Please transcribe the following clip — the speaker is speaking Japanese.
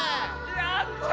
やった！